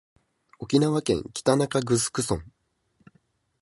沖縄県北中城村